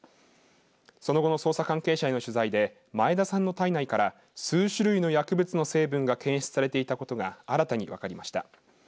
その後の捜査関係者への取材で前田さんの体内から数種類の薬物の成分が検出されていたことが新たに分かりました。